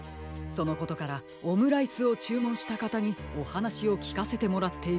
そのことからオムライスをちゅうもんしたかたにおはなしをきかせてもらっているのです。